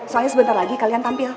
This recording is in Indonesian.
soalnya sebentar lagi kalian tampil